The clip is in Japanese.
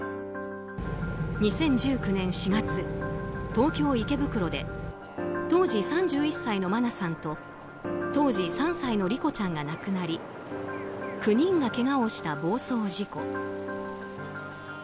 ２０１９年４月、東京・池袋で当時３１歳の真菜さんと当時３歳の莉子ちゃんが亡くなり９人がけがをした暴走事故。